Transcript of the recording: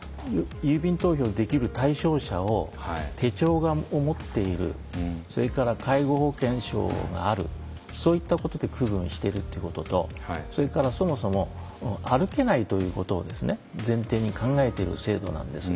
郵便投票できる対象者を手帳を持っているそれから介護保険証があるそういったことで区分しているということとそれから、そもそも歩けないということを前提に考えている制度なんです。